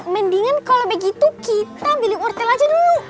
mendingan kalau begitu kita milih wortel aja dulu